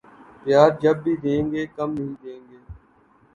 پیار جب بھی دینگے کم نہیں دینگے